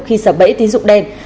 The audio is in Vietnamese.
khi sập bẫy tín dụng đen